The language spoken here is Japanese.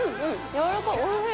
やわらかい。